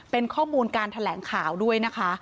เป็นข้อมูลการแถลงข่าวด้วยนะคะ